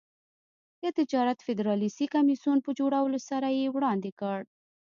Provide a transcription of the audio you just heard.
د تجارت فدرالي کمېسیون په جوړولو سره یې وړاندې کړ.